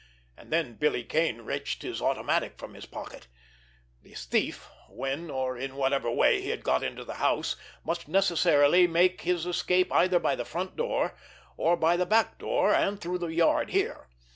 And then Billy Kane wrenched his automatic from his pocket. The thief, when or in whatever way he had got into the house, must necessarily make his escape either by the front door, or by the back door and through the yard here.